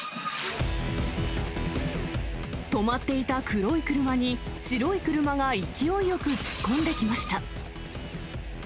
止まっていた黒い車に、白い車が勢いよく突っ込んできました。